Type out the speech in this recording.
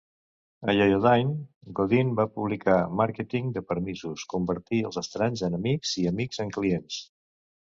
A Yoyodyne, Godin va publicar "Màrqueting de permisos: convertir els estranys en amics i amics en clients".